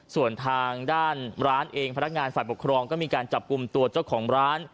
ส่วนทางด้านร้านเองพนักงานฝ่ายปกครองก็มีการจับกลุ่มตัวเจ้าของร้าน